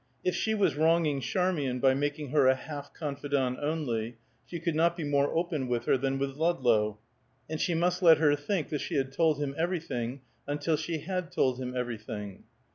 If she was wronging Charmian by making her a half confidant only, she could not be more open with her than with Ludlow, and she must let her think that she had told him everything until she had told him everything.